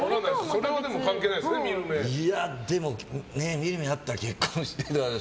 見る目あったら結婚して。